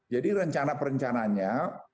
jadi rencana perjanjiannya